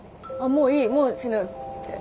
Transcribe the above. もういいもう死ぬって。